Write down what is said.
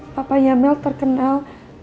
papanya mel terkenal